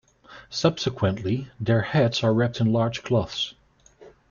Subsequently, their heads are wrapped in large cloths.